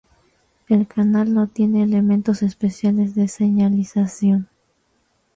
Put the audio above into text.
El canal no tiene elementos especiales de señalización.